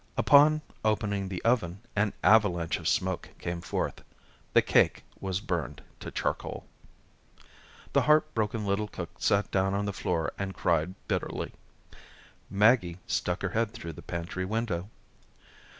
Upon opening the oven, an avalanche of smoke came forth. The cake was burned to charcoal. The heart broken little cook sat down on the floor and cried bitterly. Maggie stuck her head through the pantry window.